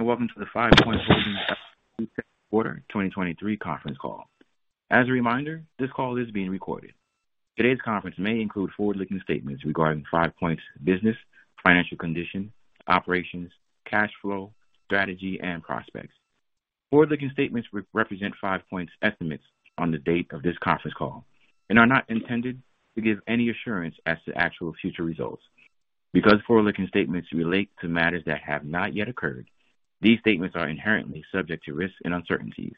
Welcome to the Five Point Business Second Quarter 2023 conference call. As a reminder, this call is being recorded. Today's conference may include forward-looking statements regarding Five Point's business, financial condition, operations, cash flow, strategy, and prospects. Forward-looking statements represent Five Point's estimates on the date of this conference call, and are not intended to give any assurance as to actual future results. Because forward-looking statements relate to matters that have not yet occurred, these statements are inherently subject to risks and uncertainties.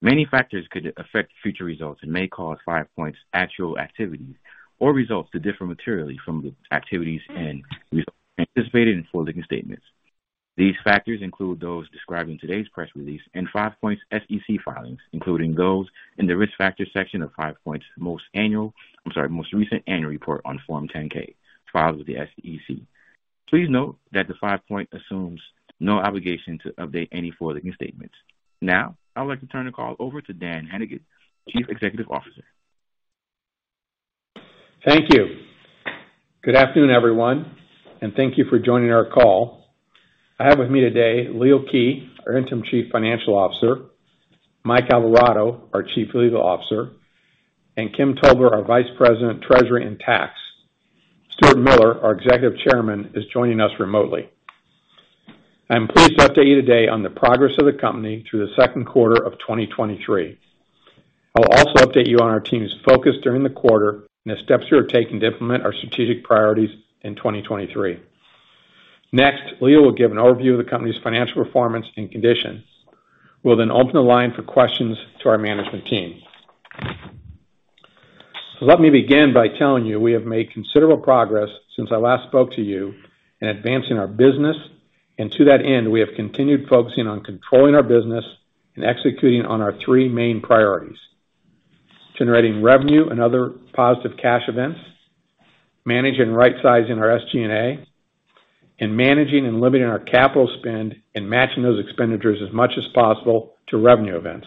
Many factors could affect future results and may cause Five Point's actual activities or results to differ materially from the activities and results anticipated in forward-looking statements. These factors include those described in today's press release and Five Point's SEC filings, including those in the Risk Factors section of Five Point's most recent annual report on Form 10-K, filed with the SEC. Please note that the Five Point assumes no obligation to update any forward-looking statements. Now, I'd like to turn the call over to Dan Hedigan, Chief Executive Officer. Thank you. Good afternoon, everyone, thank you for joining our call. I have with me today Leo Kij, our Interim Chief Financial Officer, Mike Alvarado, our Chief Legal Officer, and Kim Tobler, our Vice President, Treasury and Tax. Stuart Miller, our Executive Chairman, is joining us remotely. I'm pleased to update you today on the progress of the company through the second quarter of 2023. I will also update you on our team's focus during the quarter and the steps we are taking to implement our strategic priorities in 2023. Leo will give an overview of the company's financial performance and conditions. We'll open the line for questions to our management team. Let me begin by telling you, we have made considerable progress since I last spoke to you in advancing our business. To that end, we have continued focusing on controlling our business and executing on our three main priorities: generating revenue and other positive cash events, managing and rightsizing our SG&A, and managing and limiting our capital spend and matching those expenditures as much as possible to revenue events.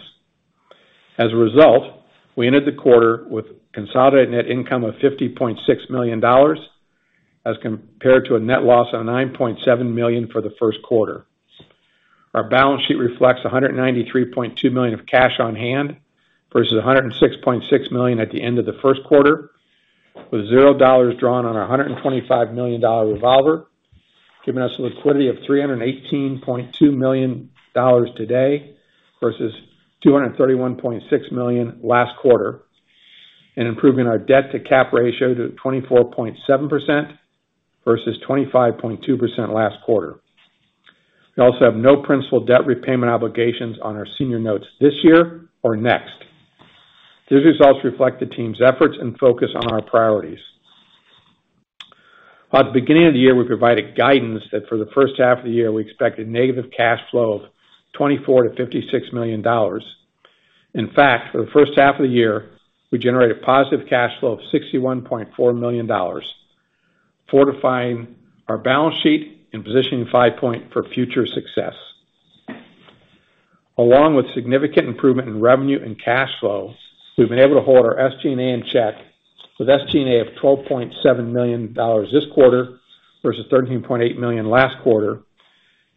As a result, we ended the quarter with consolidated net income of $50.6 million, as compared to a net loss of $9.7 million for the first quarter. Our balance sheet reflects $193.2 million of cash on hand, versus $106.6 million at the end of the first quarter, with $0 drawn on our $125 million revolver, giving us a liquidity of $318.2 million today versus $231.6 million last quarter, and improving our debt-to-cap ratio to 24.7% versus 25.2% last quarter. We also have no principal debt repayment obligations on our senior notes this year or next. These results reflect the team's efforts and focus on our priorities. At the beginning of the year, we provided guidance that for the first half of the year, we expected negative cash flow of $24 million-$56 million. In fact, for the first half of the year, we generated positive cash flow of $61.4 million, fortifying our balance sheet and positioning Five Point for future success. Along with significant improvement in revenue and cash flow, we've been able to hold our SG&A in check, with SG&A of $12.7 million this quarter, versus $13.8 million last quarter,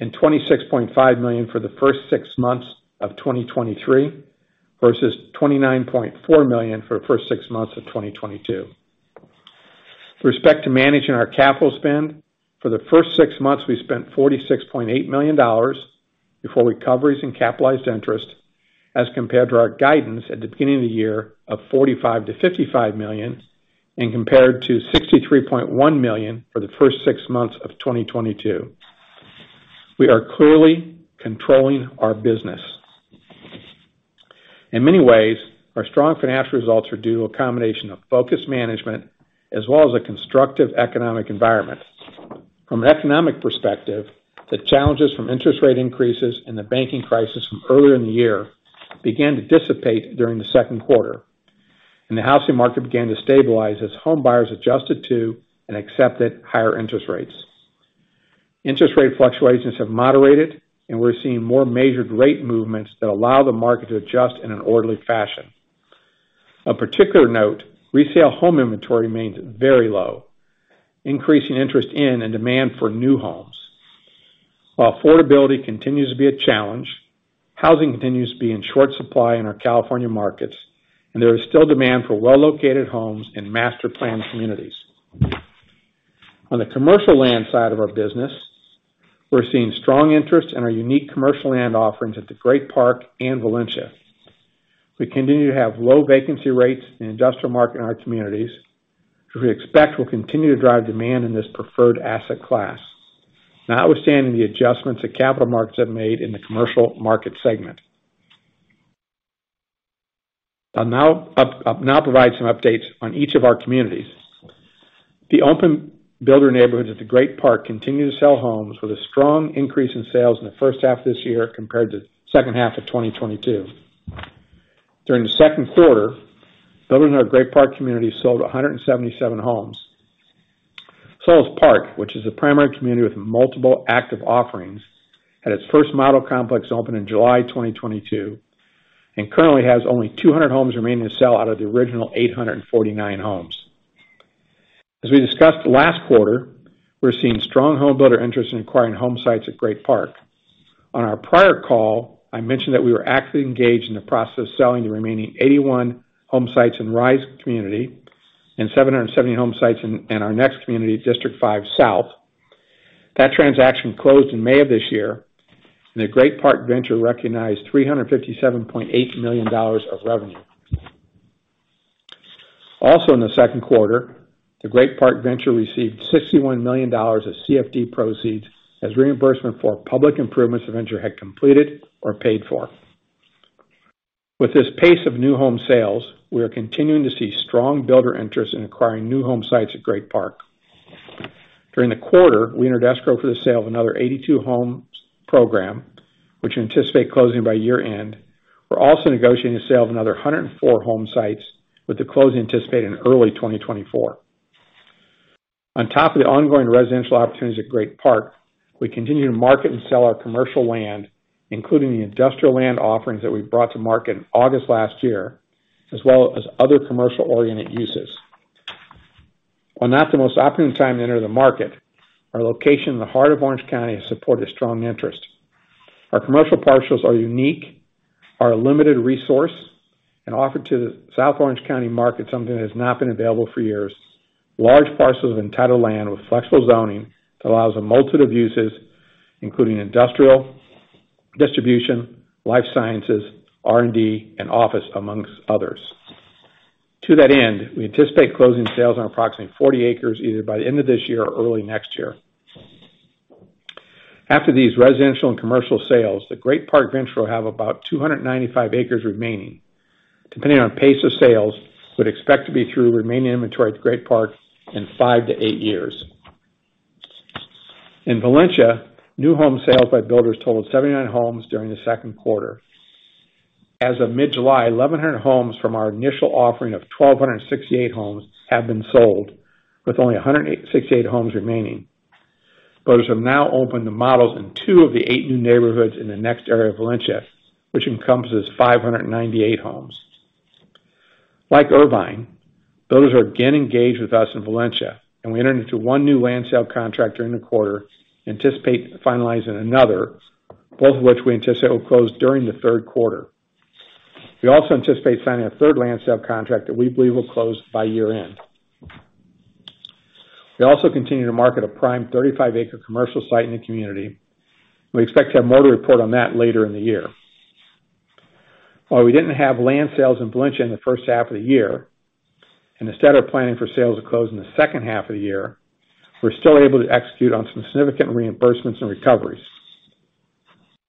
and $26.5 million for the first six months of 2023, versus $29.4 million for the first six months of 2022. With respect to managing our capital spend, for the first six months, we spent $46.8 million before recoveries and capitalized interest, as compared to our guidance at the beginning of the year of $45 million-$55 million, and compared to $63.1 million for the first six months of 2022. We are clearly controlling our business. In many ways, our strong financial results are due to a combination of focused management as well as a constructive economic environment. From an economic perspective, the challenges from interest rate increases and the banking crisis from earlier in the year began to dissipate during the second quarter, and the housing market began to stabilize as homebuyers adjusted to and accepted higher interest rates. Interest rate fluctuations have moderated, and we're seeing more measured rate movements that allow the market to adjust in an orderly fashion. Of particular note, resale home inventory remains very low, increasing interest in and demand for new homes. While affordability continues to be a challenge, housing continues to be in short supply in our California markets, and there is still demand for well-located homes in master planned communities. On the commercial land side of our business, we're seeing strong interest in our unique commercial land offerings at The Great Park and Valencia. We continue to have low vacancy rates in the industrial market in our communities, which we expect will continue to drive demand in this preferred asset class, notwithstanding the adjustments that capital markets have made in the commercial market segment. I'll now provide some updates on each of our communities. The open builder neighborhoods at The Great Park continue to sell homes with a strong increase in sales in the first half of this year compared to the second half of 2022. During the second quarter, builders in our Great Park community sold 177 homes. Solis Park, which is a primary community with multiple active offerings, had its first model complex open in July 2022, and currently has only 200 homes remaining to sell out of the original 849 homes. As we discussed last quarter, we're seeing strong home builder interest in acquiring home sites at Great Park. On our prior call, I mentioned that we were actively engaged in the process of selling the remaining 81 home sites in Rise community and 770 home sites in our next community, District Five South. The transaction closed in May of this year, and the Great Park Venture recognized $357.8 million of revenue. In the second quarter, the Great Park Venture received $61 million of CFD proceeds as reimbursement for public improvements the Venture had completed or paid for. With this pace of new home sales, we are continuing to see strong builder interest in acquiring new home sites at Great Park. During the quarter, we entered escrow for the sale of another 82 homes program, which we anticipate closing by year-end. We're also negotiating the sale of another 104 home sites, with the close anticipated in early 2024. On top of the ongoing residential opportunities at Great Park, we continue to market and sell our commercial land, including the industrial land offerings that we brought to market in August last year, as well as other commercial-oriented uses. While not the most opportune time to enter the market, our location in the heart of Orange County has supported strong interest. Our commercial parcels are unique, are a limited resource, and offer to the South Orange County market, something that has not been available for years. Large parcels of entitled land with flexible zoning that allows a multitude of uses, including industrial, distribution, life sciences, R&D, and office, amongst others. To that end, we anticipate closing sales on approximately 40 acres, either by the end of this year or early next year. After these residential and commercial sales, the Great Park Venture will have about 295 acres remaining. Depending on pace of sales, would expect to be through remaining inventory at Great Park in 5-8 years. In Valencia, new home sales by builders totaled 79 homes during the second quarter. As of mid-July, 1,100 homes from our initial offering of 1,268 homes have been sold, with only 168 homes remaining. Builders have now opened the models in 2 of the 8 new neighborhoods in the next area of Valencia, which encompasses 598 homes. Like Irvine, builders are again engaged with us in Valencia, and we entered into 1 new land sale contract during the quarter, anticipate finalizing another, both of which we anticipate will close during the third quarter. We also anticipate signing a third land sale contract that we believe will close by year-end. We also continue to market a prime 35-acre commercial site in the community. We expect to have more to report on that later in the year. While we didn't have land sales in Valencia in the first half of the year, and instead are planning for sales to close in the second half of the year, we're still able to execute on some significant reimbursements and recoveries.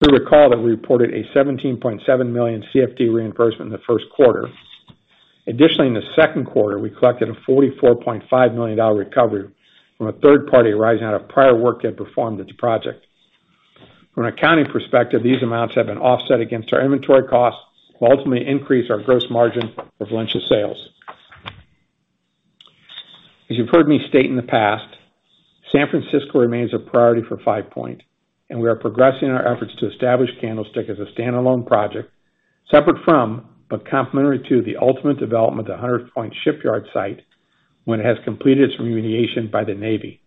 We recall that we reported a $17.7 million CFD reimbursement in the first quarter. Additionally, in the second quarter, we collected a $44.5 million recovery from a third party arising out of prior work they had performed at the project. From an accounting perspective, these amounts have been offset against our inventory costs, ultimately increase our gross margin of Valencia sales. As you've heard me state in the past, San Francisco remains a priority for Five Point. We are progressing our efforts to establish Candlestick as a standalone project, separate from, but complementary to, the ultimate development of the Hunters Point Shipyard site when it has completed its remediation by the Navy.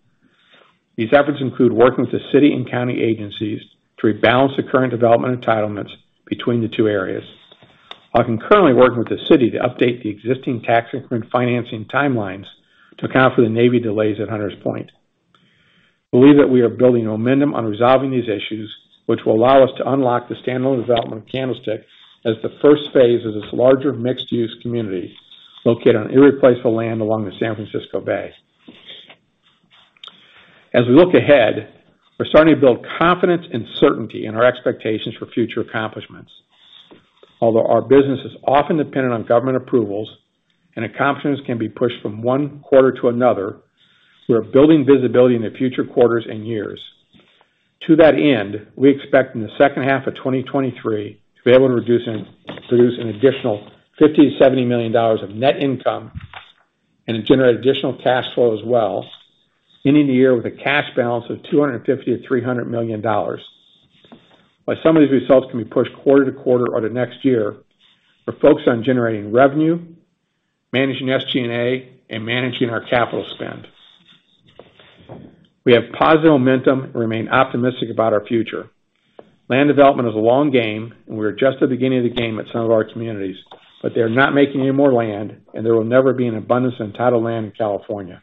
These efforts include working with the city and county agencies to rebalance the current development entitlements between the two areas, while concurrently working with the city to update the existing tax increment financing timelines to account for the Navy delays at Hunters Point. We believe that we are building momentum on resolving these issues, which will allow us to unlock the standalone development of Candlestick as the first phase of this larger mixed-use community, located on irreplaceable land along the San Francisco Bay. As we look ahead, we're starting to build confidence and certainty in our expectations for future accomplishments. Although our business is often dependent on government approvals and accomplishments can be pushed from one quarter to another, we are building visibility in the future quarters and years. To that end, we expect in the second half of 2023 to be able to reduce and produce an additional $50 million-$70 million of net income and generate additional cash flow as well, ending the year with a cash balance of $250 million-$300 million. While some of these results can be pushed quarter to quarter or to next year, we're focused on generating revenue, managing SG&A, and managing our capital spend. We have positive momentum and remain optimistic about our future. Land development is a long game, and we are just at the beginning of the game at some of our communities, but they are not making any more land, and there will never be an abundance of entitled land in California.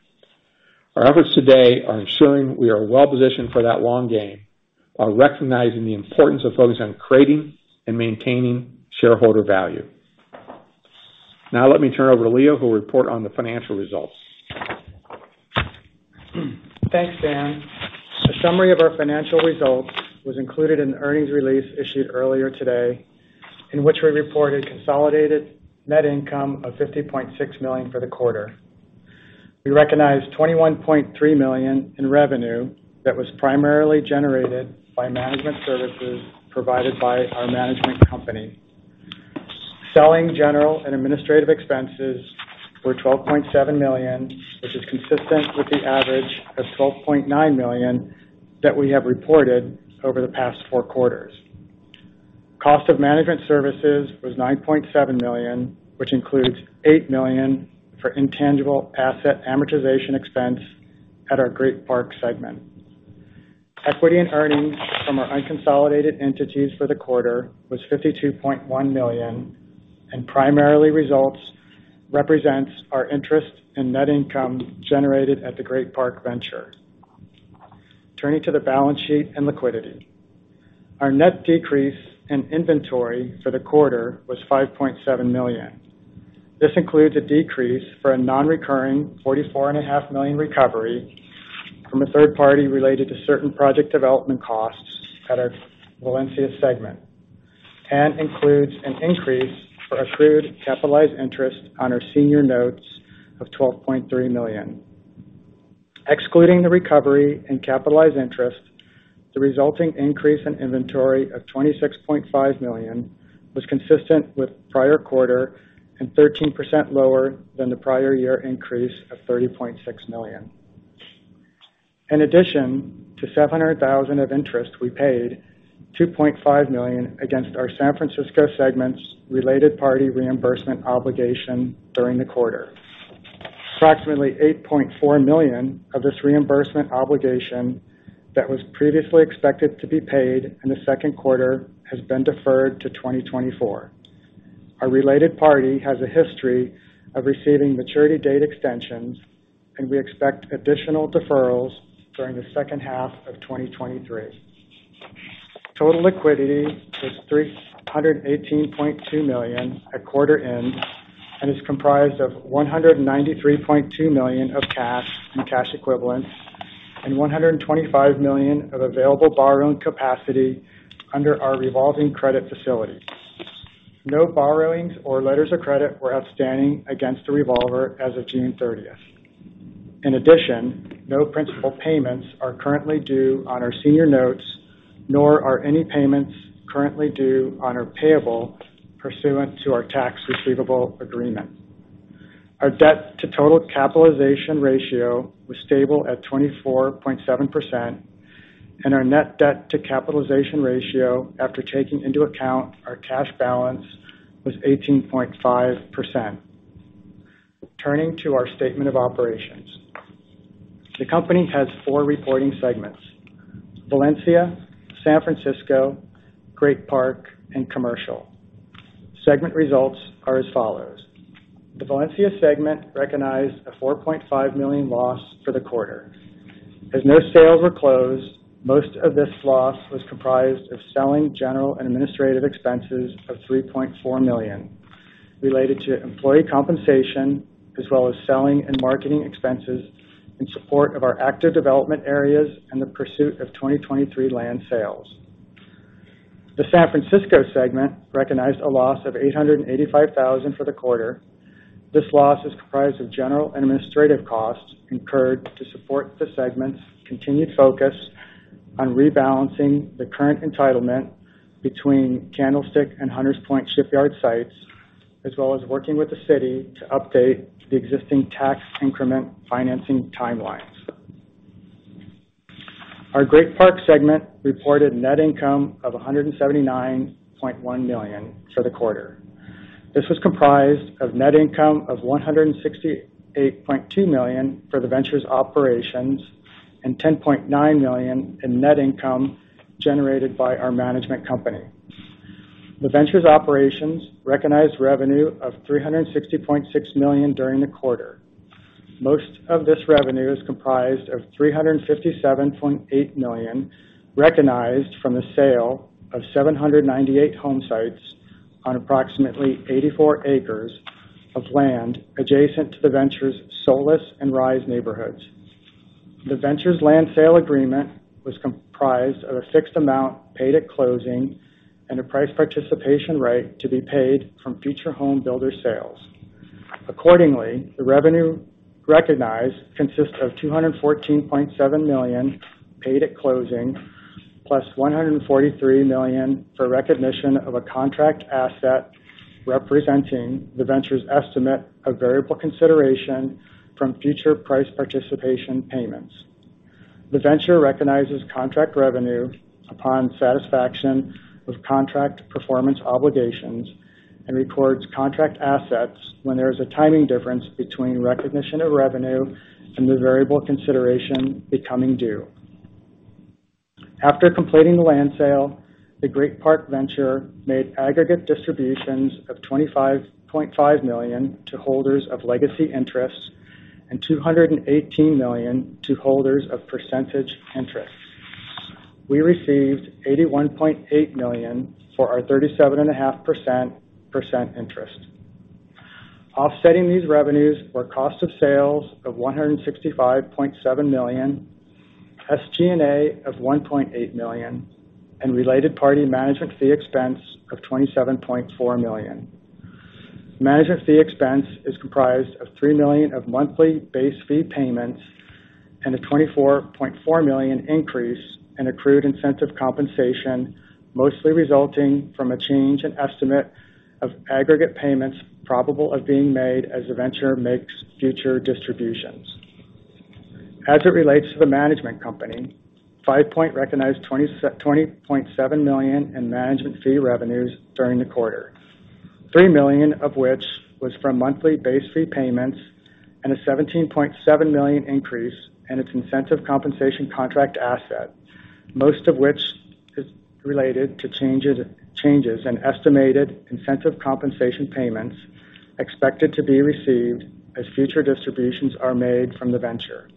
Our efforts today are ensuring we are well-positioned for that long game, while recognizing the importance of focusing on creating and maintaining shareholder value. Let me turn over to Leo, who will report on the financial results. Thanks, Dan. A summary of our financial results was included in the earnings release issued earlier today, in which we reported consolidated net income of $50.6 million for the quarter. We recognized $21.3 million in revenue that was primarily generated by management services provided by our management company. Selling, General, and Administrative expenses were $12.7 million, which is consistent with the average of $12.9 million that we have reported over the past four quarters. Cost of management services was $9.7 million, which includes $8 million for intangible asset amortization expense at our Great Park segment. Equity and earnings from our unconsolidated entities for the quarter was $52.1 million, primarily represents our interest in net income generated at the Great Park Venture. Turning to the balance sheet and liquidity. Our net decrease in inventory for the quarter was $5.7 million. This includes a decrease for a non-recurring forty-four and a half million recovery from a third party related to certain project development costs at our Valencia segment, and includes an increase for accrued capitalized interest on our senior notes of $12.3 million. Excluding the recovery and capitalized interest, the resulting increase in inventory of $26.5 million was consistent with prior quarter and 13% lower than the prior year increase of $30.6 million. In addition to $700,000 of interest, we paid $2.5 million against our San Francisco segment's related party reimbursement obligation during the quarter. Approximately $8.4 million of this reimbursement obligation that was previously expected to be paid in the second quarter has been deferred to 2024. Our related party has a history of receiving maturity date extensions. We expect additional deferrals during the second half of 2023. Total liquidity was $318.2 million at quarter end, and is comprised of $193.2 million of cash and cash equivalents and $125 million of available borrowing capacity under our revolving credit facility. No borrowings or letters of credit were outstanding against the revolver as of June 30th. In addition, no principal payments are currently due on our senior notes, nor are any payments currently due on our payable pursuant to our tax receivable agreement. Our debt to total capitalization ratio was stable at 24.7%, and our net debt to capitalization ratio, after taking into account our cash balance, was 18.5%. Turning to our statement of operations. The company has four reporting segments: Valencia, San Francisco, Great Park, and Commercial. Segment results are as follows: The Valencia segment recognized a $4.5 million loss for the quarter. As no sales were closed, most of this loss was comprised of selling, general and administrative expenses of $3.4 million, related to employee compensation, as well as selling and marketing expenses in support of our active development areas and the pursuit of 2023 land sales. The San Francisco segment recognized a loss of $885,000 for the quarter. This loss is comprised of general and administrative costs incurred to support the segment's continued focus on rebalancing the current entitlement between Candlestick and Hunters Point Shipyard sites, as well as working with the city to update the existing tax increment financing timelines. Our Great Park segment reported net income of $179.1 million for the quarter. This was comprised of net income of $168.2 million for the Venture's operations and $10.9 million in net income generated by our management company. The Venture's operations recognized revenue of $360.6 million during the quarter. Most of this revenue is comprised of $357.8 million, recognized from the sale of 798 home sites on approximately 84 acres of land adjacent to the Venture's Solis and Rise neighborhoods. The Venture's land sale agreement was comprised of a fixed amount paid at closing and a price participation rate to be paid from future home builder sales. Accordingly, the revenue recognized consists of $214.7 million paid at closing, plus $143 million for recognition of a contract asset, representing the venture's estimate of variable consideration from future price participation payments. The venture recognizes contract revenue upon satisfaction of contract performance obligations and records contract assets when there is a timing difference between recognition of revenue and the variable consideration becoming due. After completing the land sale, the Great Park Venture made aggregate distributions of $25.5 million to holders of Legacy Interests and $218 million to holders of Percentage Interest. We received $81.8 million for our thirty-seven and a half % Percentage Interest. Offsetting these revenues were cost of sales of $165.7 million, SG&A of $1.8 million, and related party management fee expense of $27.4 million. Management fee expense is comprised of $3 million of monthly base fee payments and a $24.4 million increase in accrued incentive compensation, mostly resulting from a change in estimate of aggregate payments probable of being made as the venture makes future distributions. As it relates to the management company, Five Point recognized $20.7 million in management fee revenues during the quarter. $3 million of which was from monthly base fee payments, and a $17.7 million increase in its incentive compensation contract asset, most of which is related to changes in estimated incentive compensation payments expected to be received as future distributions are made from the venture.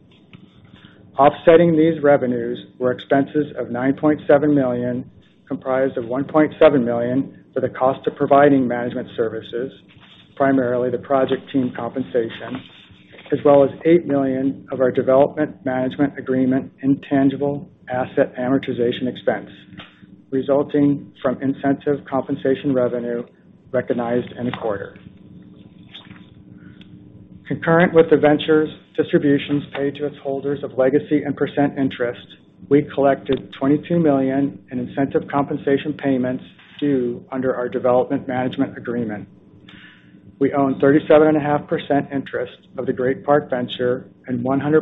Offsetting these revenues were expenses of $9.7 million, comprised of $1.7 million for the cost of providing management services, primarily the project team compensation, as well as $8 million of our development management agreement, intangible asset amortization expense, resulting from incentive compensation revenue recognized in the quarter. Concurrent with the venture's distributions paid to its holders of Legacy and Percentage Interest, we collected $22 million in incentive compensation payments due under our development management agreement. We own 37.5% interest of the Great Park Venture and 100%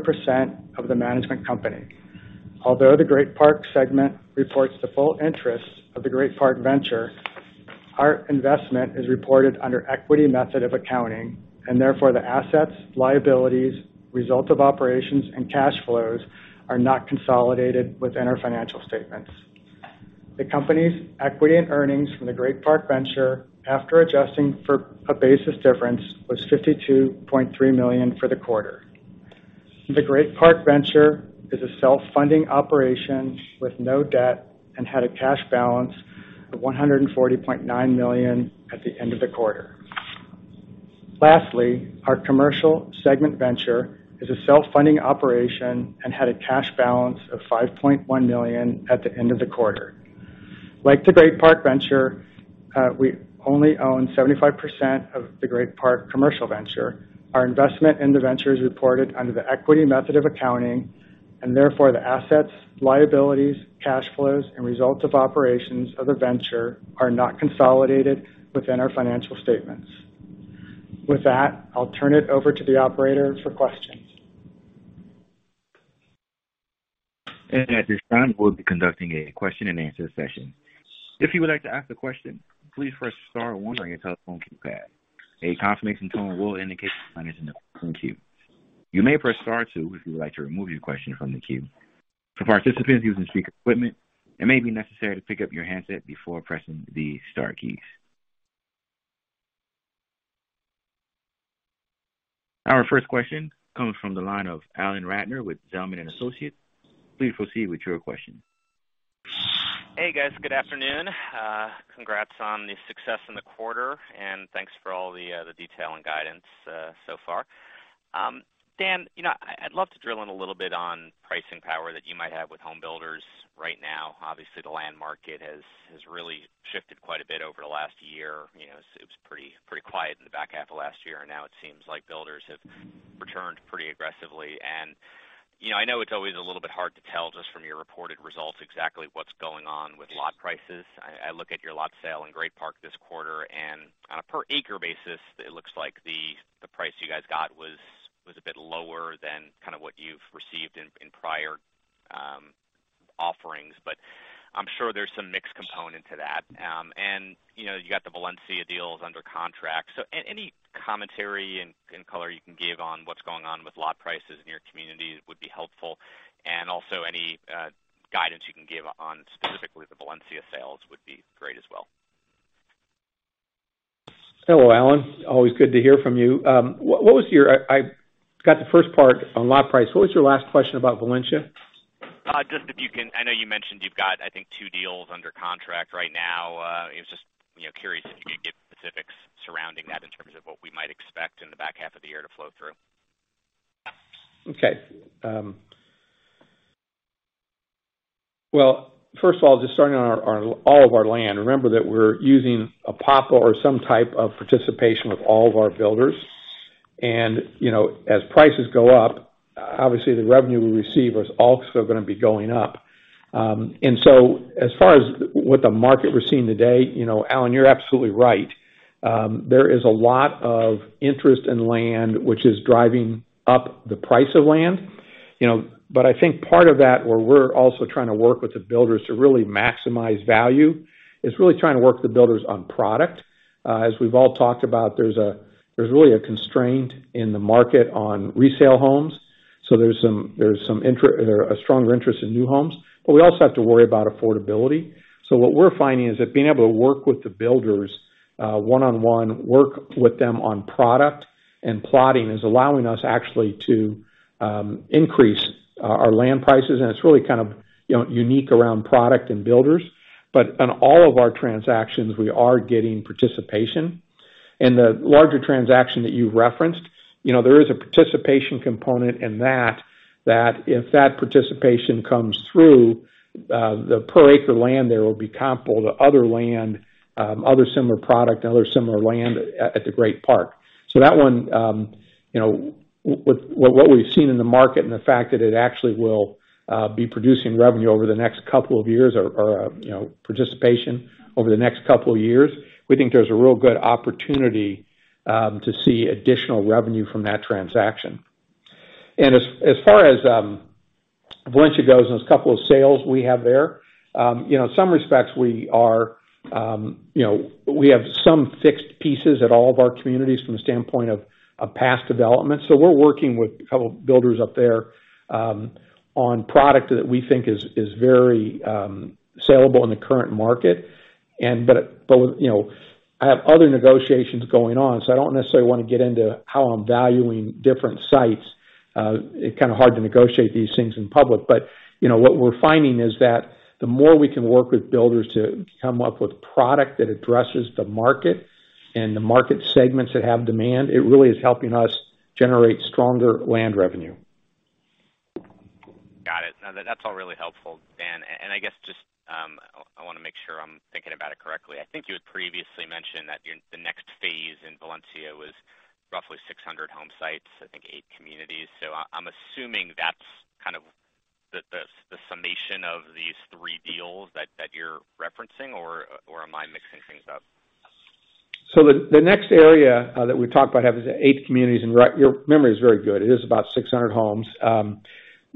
of the management company. Although the Great Park segment reports the full interest of the Great Park Venture, our investment is reported under equity method of accounting, and therefore, the assets, liabilities, results of operations, and cash flows are not consolidated within our financial statements. The company's equity and earnings from the Great Park Venture, after adjusting for a basis difference, was $52.3 million for the quarter. The Great Park Venture is a self-funding operation with no debt and had a cash balance of $140.9 million at the end of the quarter. Our commercial segment venture is a self-funding operation and had a cash balance of $5.1 million at the end of the quarter. Like the Great Park Venture, we only own 75% of the Great Park Commercial Venture. Our investment in the venture is reported under the equity method of accounting. Therefore, the assets, liabilities, cash flows, and results of operations of the venture are not consolidated within our financial statements. With that, I'll turn it over to the operator for questions. At this time, we'll be conducting a question-and-answer session. If you would like to ask a question, please press star 1 on your telephone keypad. A confirmation tone will indicate line is in the current queue. You may press star 2 if you would like to remove your question from the queue. For participants using speaker equipment, it may be necessary to pick up your handset before pressing the star keys. Our first question comes from the line of Alan Ratner with Zelman & Associates. Please proceed with your question. Hey, guys. Good afternoon. Congrats on the success in the quarter, and thanks for all the detail and guidance so far. Dan, you know, I'd love to drill in a little bit on pricing power that you might have with home builders right now. Obviously, the land market has really shifted quite a bit over the last year. You know, it was pretty quiet in the back half of last year, and now it seems like builders have returned pretty aggressively. You know, I know it's always a little bit hard to tell just from your reported results, exactly what's going on with lot prices. I look at your lot sale in Great Park this quarter, on a per acre basis, it looks like the price you guys got was a bit lower than kind of what you've received in prior offerings. I'm sure there's some mixed component to that. You know, you got the Valencia deals under contract. Any commentary and color you can give on what's going on with lot prices in your community would be helpful. Also, any guidance you can give on specifically the Valencia sales would be great as well. Hello, Alan. Always good to hear from you. What was your? I got the first part on lot price. What was your last question about Valencia? Just if you can, I know you mentioned you've got, I think, two deals under contract right now. I was just, you know, curious if you could give specifics surrounding that in terms of what we might expect in the back half of the year to flow through. Okay. Well, first of all, just starting on our, all of our land, remember that we're using a POP or some type of participation with all of our builders. You know, as prices go up, obviously the revenue we receive is also gonna be going up. As far as what the market we're seeing today, you know, Alan, you're absolutely right. There is a lot of interest in land, which is driving up the price of land, you know. I think part of that, where we're also trying to work with the builders to really maximize value, is really trying to work the builders on product. As we've all talked about, there's a really a constraint in the market on resale homes, so there's some inter- a stronger interest in new homes. We also have to worry about affordability. What we're finding is that being able to work with the builders, one-on-one, work with them on product and plotting, is allowing us actually to increase our land prices. It's really kind of, you know, unique around product and builders. On all of our transactions, we are getting participation. The larger transaction that you referenced, you know, there is a participation component in that if that participation comes through, the per acre land, there will be comparable to other land, other similar product and other similar land at the Great Park. That one, you know, with what we've seen in the market and the fact that it actually will be producing revenue over the next couple of years or, you know, participation over the next couple of years, we think there's a real good opportunity to see additional revenue from that transaction. As far as Valencia goes, and there's a couple of sales we have there, you know, in some respects, we are, you know, we have some fixed pieces at all of our communities from the standpoint of past development. We're working with a couple of builders up there, on product that we think is very sellable in the current market. But, you know, I have other negotiations going on, so I don't necessarily want to get into how I'm valuing different sites. It's kind of hard to negotiate these things in public, but, you know, what we're finding is that the more we can work with builders to come up with product that addresses the market and the market segments that have demand, it really is helping us generate stronger land revenue. Got it. No, that's all really helpful, Dan. I guess just, I wanna make sure I'm thinking about it correctly. I think you had previously mentioned that the next phase in Valencia was roughly 600 home sites, I think eight communities. I'm assuming that's kind of the summation of these three deals that you're referencing, or am I mixing things up? The next area that we talked about having eight communities, and you're right, your memory is very good. It is about 600 homes.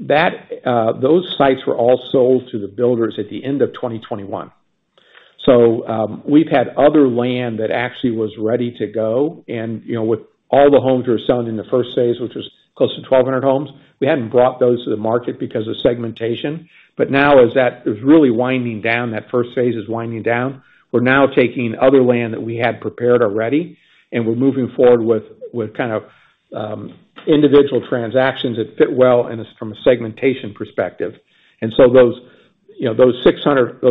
Those sites were all sold to the builders at the end of 2021. We've had other land that actually was ready to go, and, you know, with all the homes we were selling in the first phase, which was close to 1,200 homes, we hadn't brought those to the market because of segmentation. Now, as that is really winding down, that first phase is winding down, we're now taking other land that we had prepared already, and we're moving forward with kind of individual transactions that fit well and is from a segmentation perspective. Those, you know, those 600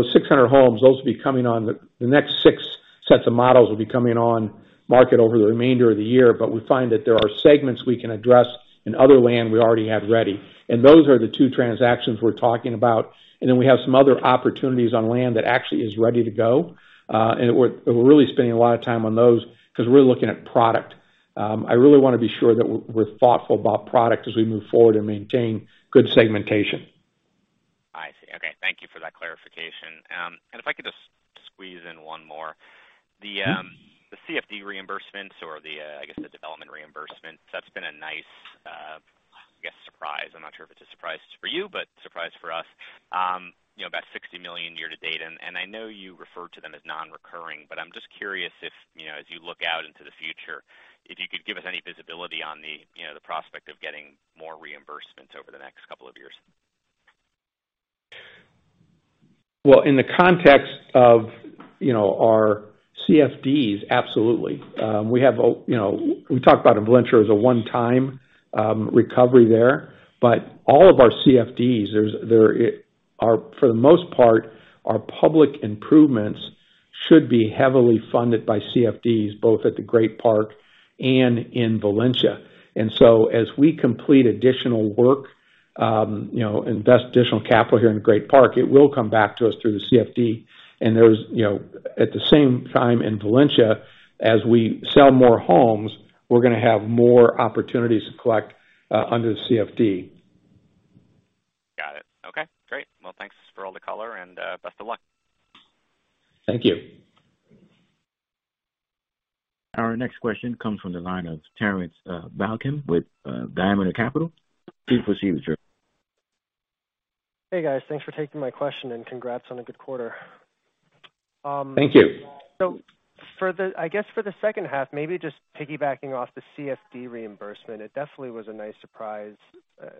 homes, those will be coming on the next six sets of models will be coming on market over the remainder of the year. We find that there are segments we can address in other land we already have ready, and those are the two transactions we're talking about. We have some other opportunities on land that actually is ready to go, and we're really spending a lot of time on those because we're looking at product. I really wanna be sure that we're thoughtful about product as we move forward and maintain good segmentation. I see. Okay, thank you for that clarification. If I could just squeeze in one more. The CFD reimbursements or the, I guess, the development reimbursements, that's been a nice, I guess, surprise. I'm not sure if it's a surprise for you, but surprise for us. You know, about $60 million year to date, and I know you referred to them as non-recurring, but I'm just curious if, you know, as you look out into the future, if you could give us any visibility on the, you know, the prospect of getting more reimbursements over the next couple of years. In the context of, you know, our CFDs, absolutely. We talked about in Valencia as a 1-time recovery there, but all of our CFDs, there are, for the most part, our public improvements should be heavily funded by CFDs, both at Great Park and in Valencia. As we complete additional work, you know, invest additional capital here in Great Park, it will come back to us through the CFD. You know, at the same time, in Valencia, as we sell more homes, we're gonna have more opportunities to collect under the CFD. Got it. Okay, great. Well, thanks for all the color and best of luck. Thank you. Our next question comes from the line of Terrence Balkin with Daimler Capital. Please proceed, sir. Hey, guys. Thanks for taking my question. Congrats on a good quarter. Thank you. For the second half, maybe just piggybacking off the CFD reimbursement, it definitely was a nice surprise.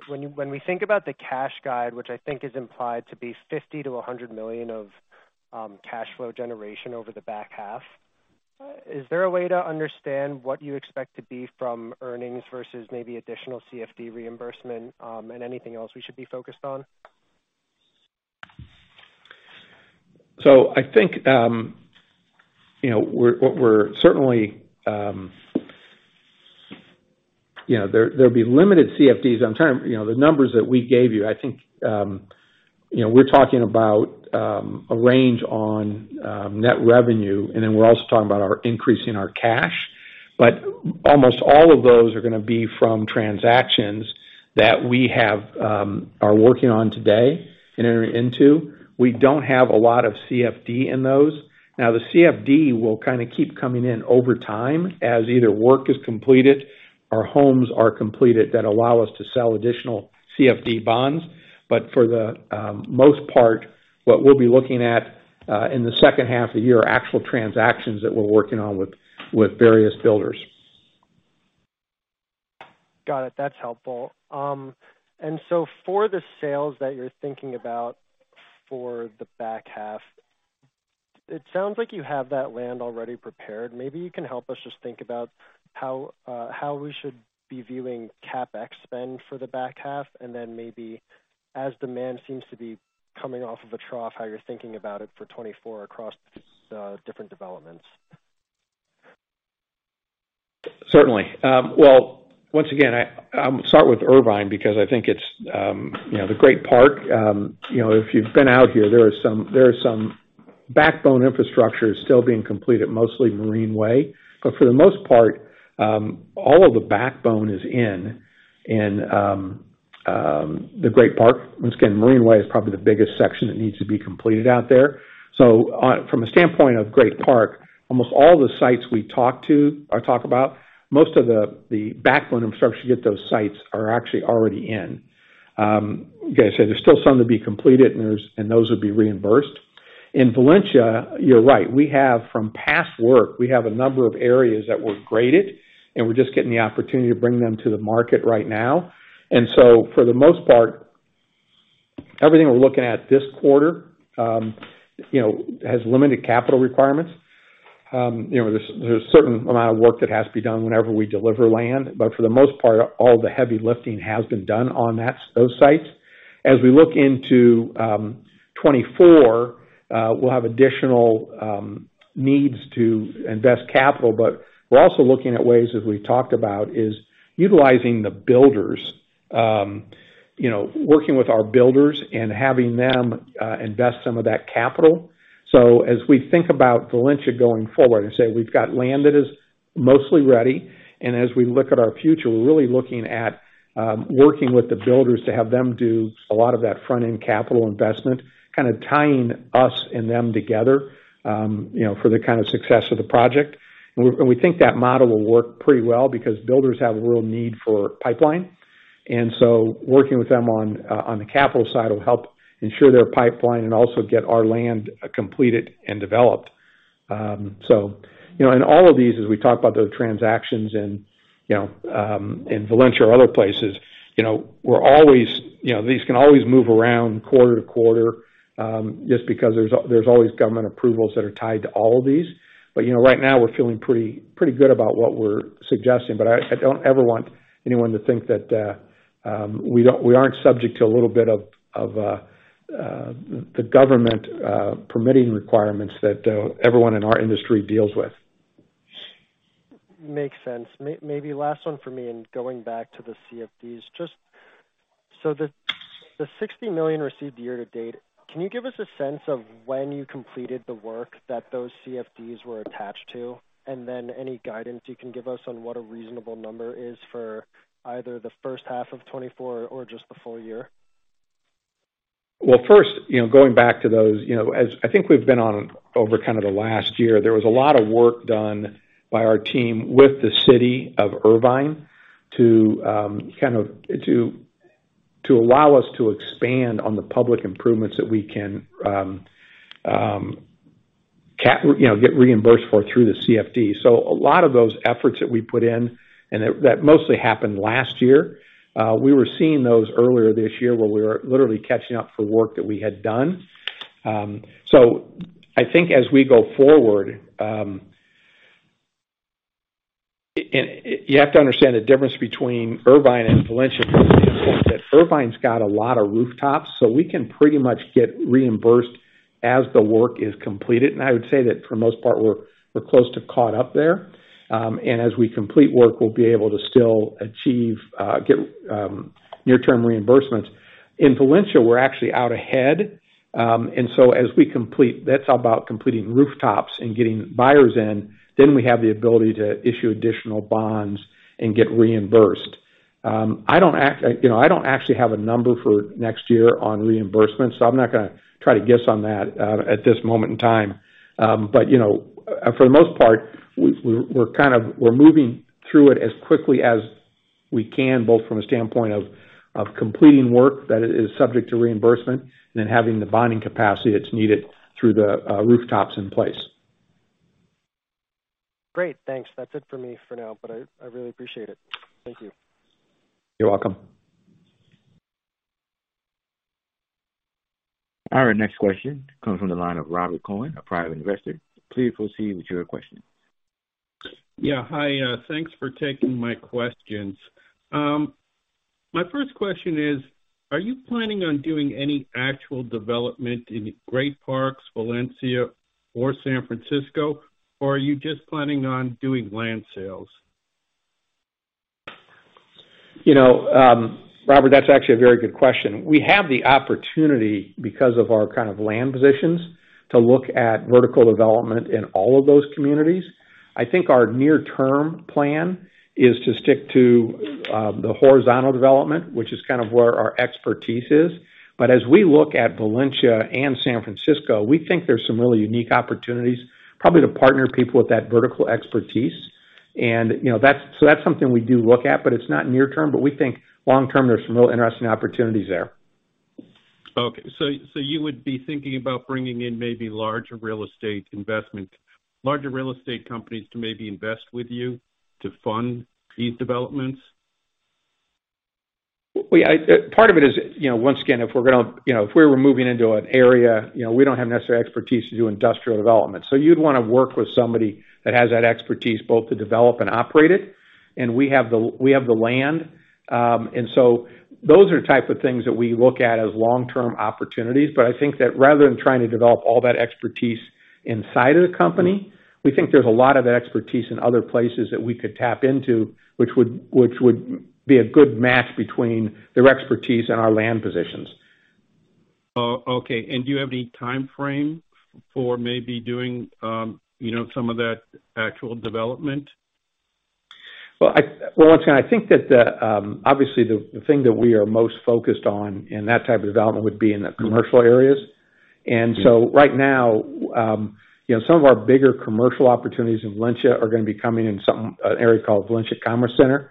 When we think about the cash guide, which I think is implied to be $50 million-$100 million of cash flow generation over the back half, is there a way to understand what you expect to be from earnings versus maybe additional CFD reimbursement, and anything else we should be focused on? I think, you know, we're certainly. You know, there'll be limited CFDs on time. You know, the numbers that we gave you, I think, you know, we're talking about a range on net revenue, and then we're also talking about our increase in our cash. Almost all of those are gonna be from transactions that we have, are working on today and entering into. We don't have a lot of CFD in those. Now, the CFD will kind of keep coming in over time as either work is completed or homes are completed that allow us to sell additional CFD bonds. For the most part, what we'll be looking at in the second half of the year are actual transactions that we're working on with various builders. Got it. That's helpful. For the sales that you're thinking about for the back half, it sounds like you have that land already prepared. Maybe you can help us just think about how we should be viewing CapEx spend for the back half, and then maybe as demand seems to be coming off of a trough, how you're thinking about it for 2024 across different developments. Certainly. Well, once again, I'll start with Irvine because I think it's, you know, the Great Park. You know, if you've been out here, there are some backbone infrastructure is still being completed, mostly Marine Way. For the most part, all of the backbone is in, and the Great Park, once again, Marine Way is probably the biggest section that needs to be completed out there. On, from a standpoint of Great Park, almost all the sites we talk to or talk about, most of the backline infrastructure to get those sites are actually already in. Like I said, there's still some to be completed, and those would be reimbursed. In Valencia, you're right, we have from past work, we have a number of areas that were graded, and we're just getting the opportunity to bring them to the market right now. For the most part, everything we're looking at this quarter, you know, has limited capital requirements. You know, there's a certain amount of work that has to be done whenever we deliver land, but for the most part, all the heavy lifting has been done on that, those sites. We look into 2024, we'll have additional needs to invest capital, but we're also looking at ways, as we talked about, is utilizing the builders. You know, working with our builders and having them invest some of that capital. As we think about Valencia going forward, and say, we've got land that is mostly ready, and as we look at our future, we're really looking at, working with the builders to have them do a lot of that front-end capital investment, kind of tying us and them together, you know, for the kind of success of the project. We think that model will work pretty well because builders have a real need for pipeline, and so working with them on the capital side will help ensure their pipeline and also get our land, completed and developed. In all of these, as we talk about those transactions and, you know, in Valencia or other places, you know, we're always, you know, these can always move around quarter to quarter, just because there's always government approvals that are tied to all of these. You know, right now, we're feeling pretty good about what we're suggesting, but I don't ever want anyone to think that we aren't subject to a little bit of the government permitting requirements that everyone in our industry deals with. Makes sense. Maybe last one for me, going back to the CFDs. Just so the $60 million received year to date, can you give us a sense of when you completed the work that those CFDs were attached to, and then any guidance you can give us on what a reasonable number is for either the first half of 2024 or just the full year? First, you know, going back to those, you know, as I think we've been on over kind of the last year, there was a lot of work done by our team with the city of Irvine to allow us to expand on the public improvements that we can you know, get reimbursed for through the CFD. A lot of those efforts that we put in, and that mostly happened last year, we were seeing those earlier this year, where we were literally catching up for work that we had done. I think as we go forward, and you have to understand the difference between Irvine and Valencia, that Irvine's got a lot of rooftops, so we can pretty much get reimbursed as the work is completed. I would say that for the most part, we're close to caught up there. As we complete work, we'll be able to still achieve, get near-term reimbursements. In Valencia, we're actually out ahead, and so as we complete, that's about completing rooftops and getting buyers in, then we have the ability to issue additional bonds and get reimbursed. I don't actually have a number for next year on reimbursement, so I'm not gonna try to guess on that at this moment in time. You know, for the most part, we're kind of, we're moving through it as quickly as we can, both from a standpoint of completing work that is subject to reimbursement and then having the bonding capacity that's needed through the rooftops in place. Great, thanks. That's it for me for now, but I really appreciate it. Thank you. You're welcome. All right, next question comes from the line of Robert Cohen, a private investor. Please proceed with your question. Hi, thanks for taking my questions. My first question is, are you planning on doing any actual development in Great Park, Valencia, or San Francisco, or are you just planning on doing land sales? You know, Robert, that's actually a very good question. We have the opportunity, because of our kind of land positions, to look at vertical development in all of those communities. I think our near-term plan is to stick to the horizontal development, which is kind of where our expertise is. As we look at Valencia and San Francisco, we think there's some really unique opportunities, probably to partner people with that vertical expertise. You know, that's something we do look at, but it's not near term, but we think long term, there's some really interesting opportunities there. Okay, you would be thinking about bringing in maybe larger real estate investments, larger real estate companies to maybe invest with you to fund these developments? We, part of it is, you know, once again, if we're gonna, you know, if we were moving into an area, you know, we don't have necessary expertise to do industrial development. You'd want to work with somebody that has that expertise, both to develop and operate it, and we have the land. Those are the type of things that we look at as long-term opportunities. I think that rather than trying to develop all that expertise inside of the company, we think there's a lot of expertise in other places that we could tap into, which would be a good match between their expertise and our land positions. Oh, okay. Do you have any timeframe for maybe doing, you know, some of that actual development? I once again, I think that obviously, the thing that we are most focused on in that type of development would be in the commercial areas. Right now, you know, some of our bigger commercial opportunities in Valencia are going to be coming in some an area called Valencia Commerce Center,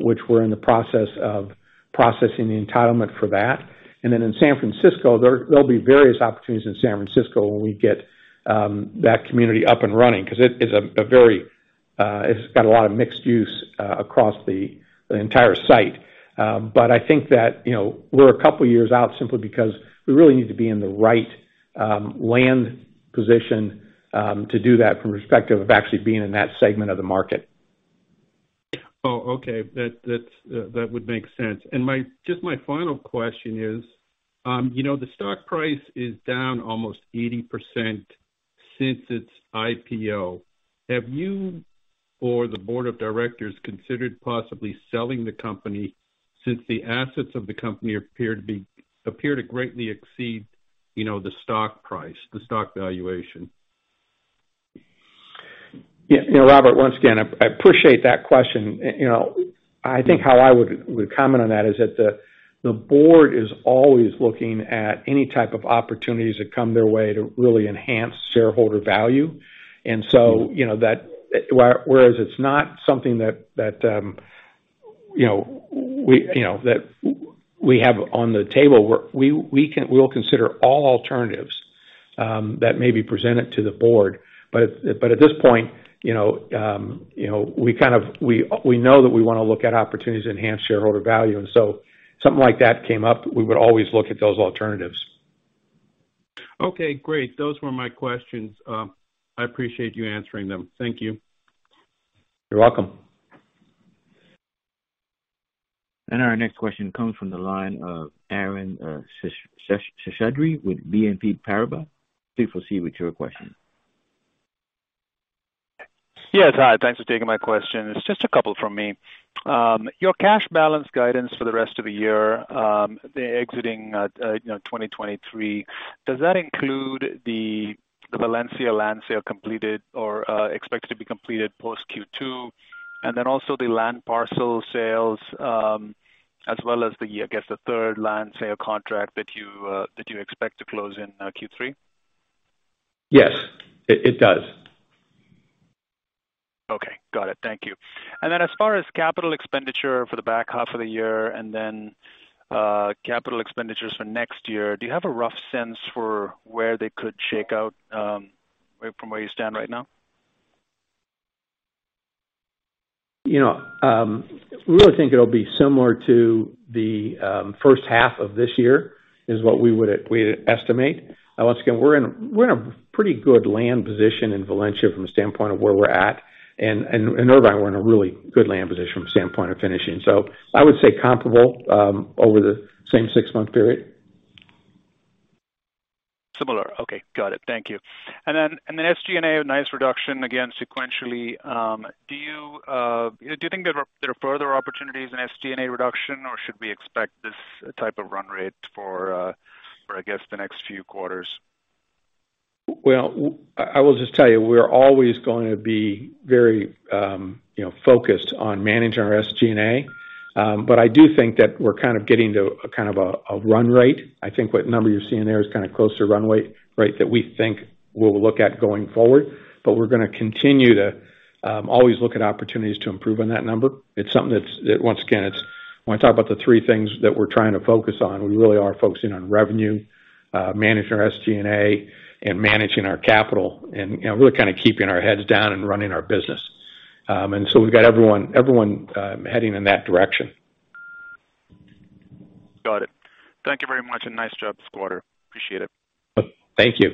which we're in the process of processing the entitlement for that. In San Francisco, there'll be various opportunities in San Francisco when we get that community up and running, because it is a very, it's got a lot of mixed use across the entire site. I think that, you know, we're a couple of years out simply because we really need to be in the right land position to do that from perspective of actually being in that segment of the market. Okay. That, that would make sense. Just my final question is, you know, the stock price is down almost 80% since its IPO. Have you or the board of directors considered possibly selling the company since the assets of the company appear to greatly exceed, you know, the stock price, the stock valuation? Yeah. You know, Robert, once again, I appreciate that question. You know, I think how I would comment on that is that the board is always looking at any type of opportunities that come their way to really enhance shareholder value. You know, whereas it's not something that, you know, we have on the table, we will consider all alternatives that may be presented to the board. At this point, you know, you know, we know that we want to look at opportunities to enhance shareholder value, and so if something like that came up, we would always look at those alternatives. Okay, great. Those were my questions. I appreciate you answering them. Thank you. You're welcome. Our next question comes from the line of Arun Seshadri with BNP Paribas. Please proceed with your question. Yes, hi. Thanks for taking my question. It's just a couple from me. Your cash balance guidance for the rest of the year, the exiting, you know, 2023, does that include the Valencia land sale completed or expected to be completed post Q2, and then also the land parcel sales, as well as the, I guess, the third land sale contract that you expect to close in Q3? Yes, it does. Okay. Got it. Thank you. As far as capital expenditure for the back half of the year and then capital expenditures for next year, do you have a rough sense for where they could shake out from where you stand right now? You know, we really think it'll be similar to the first half of this year, is what we'd estimate. Once again, we're in a pretty good land position in Valencia from the standpoint of where we're at, and in Irvine, we're in a really good land position from the standpoint of finishing. I would say comparable over the same six-month period. Similar. Okay. Got it. Thank you. Then SG&A, a nice reduction again, sequentially. Do you think there are further opportunities in SG&A reduction, or should we expect this type of run rate for, I guess, the next few quarters? Well, I will just tell you, we're always going to be very, you know, focused on managing our SG&A. I do think that we're kind of getting to a kind of a run rate. I think what number you're seeing there is kind of close to runway, right? That we think we'll look at going forward, but we're gonna continue to always look at opportunities to improve on that number. It's something that once again. When I talk about the three things that we're trying to focus on, we really are focusing on revenue, managing our SG&A, and managing our capital and, you know, really kind of keeping our heads down and running our business. We've got everyone heading in that direction. Got it. Thank you very much, and nice job this quarter. Appreciate it. Thank you.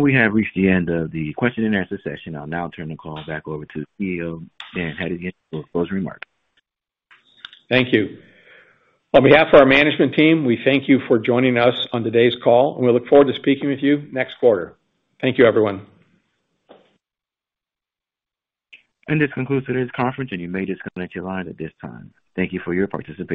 We have reached the end of the question and answer session. I'll now turn the call back over to the CEO, Dan Hedigan, for closing remarks. Thank you. On behalf of our management team, we thank you for joining us on today's call, and we look forward to speaking with you next quarter. Thank you, everyone. This concludes today's conference, and you may disconnect your lines at this time. Thank you for your participation.